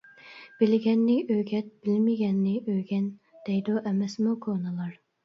«بىلگەننى ئۆگەت، بىلمىگەننى ئۆگەن» دەيدۇ ئەمەسمۇ كونىلار.